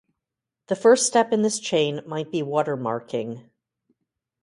The first step in this chain might be watermarking.